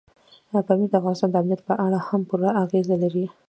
پامیر د افغانستان د امنیت په اړه هم پوره اغېز لري.